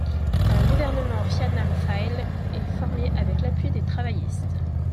Un gouvernement Fianna Fáil est formé avec l'appui des travaillistes.